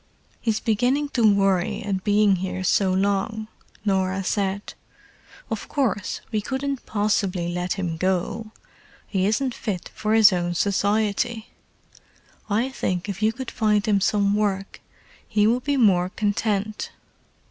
"He's beginning to worry at being here so long," Norah said. "Of course, we couldn't possibly let him go: he isn't fit for his own society. I think if you could find him some work he would be more content."